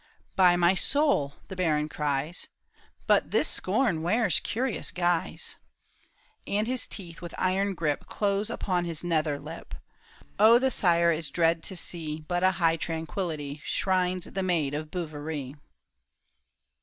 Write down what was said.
" By my soul !" the baron cries ;" But this scorn wears curious guise !" And his teeth with iron grip Close upon his nether lip. O the sire is dread to see. But a high tranquillity Shrines the maid of Bouverie. 22 THE TOWER OF BOUVERIE.